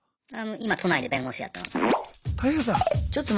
今都内で弁護士やってます。